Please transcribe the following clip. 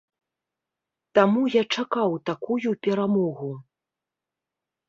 Таму я чакаў такую перамогу.